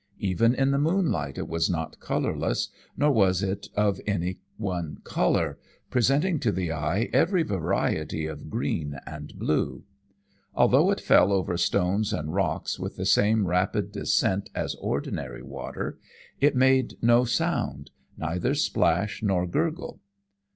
Even in the moonlight it was not colourless, nor was it of any one colour, presenting to the eye every variety of green and blue. Although it fell over stones and rocks with the same rapid descent as ordinary water, it made no sound, neither splash nor gurgle.